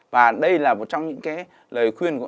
và đây là một trong những cái lời khuyên